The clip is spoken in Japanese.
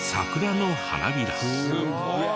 すごい。